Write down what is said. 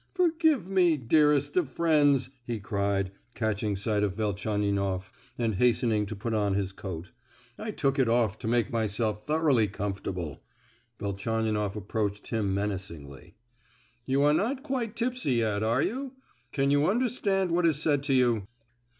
"Forgive me, dearest of friends," he cried, catching sight of Velchaninoff, and hastening to put on his coat, "I took it off to make myself thoroughly comfortable." Velchaninoff approached him menacingly. "You are not quite tipsy yet, are you? Can you understand what is said to you?"